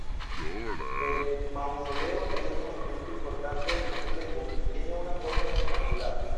El mausoleo es el monumento importante del complejo y tiene una forma rectangular.